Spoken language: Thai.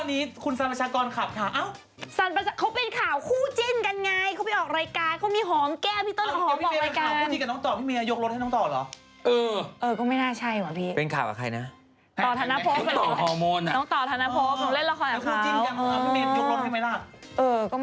นี่เขาชัดเจนนะเขาบอกเลยว่าเขาชอบต้นหอมมากนะคะ